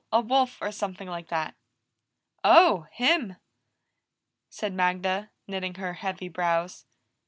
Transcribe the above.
A wolf, or something like that." "Oh, him!" said Magda, knitting her heavy brows.